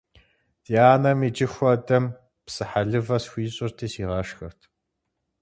Ди анэм иджы хуэдэм псы хэлывэ схуищӀырти сигъэшхырт.